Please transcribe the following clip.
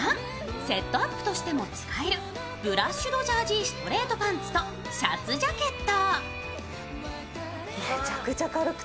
セットアップとしても使えるブラッシュドジャージーストレートパンツとシャツジャケット。